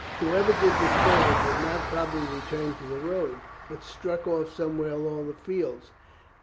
Whoever did this murder did not probably return to the road, but struck off somewhere across the fields.